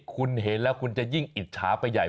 คุณเห็นแล้วคุณจะยิ่งอิจฉาไปใหญ่